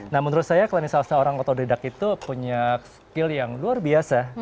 nah menurut saya kalau misalnya orang otodidak itu punya skill yang luar biasa